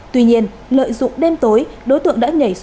tuy nhiên lợi dụng đêm tối đối tượng đã nhảy vào tàu